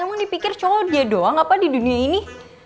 emang dipikir cowok dia doang apa di dunia ini